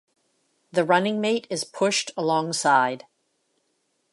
The running mate is pushed alongside.